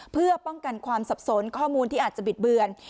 เพื่อป้องกันความสับสนข้อมูลที่อาจจะบิดเบือน